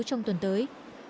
trong tuần tới